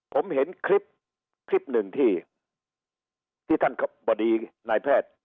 ผมเห็นคลิปคลิปหนึ่งที่ท่านบดีนายแพทย์